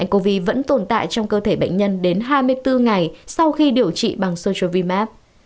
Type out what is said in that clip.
covid vẫn tồn tại trong cơ thể bệnh nhân đến hai mươi bốn ngày sau khi điều trị bằng sochovimax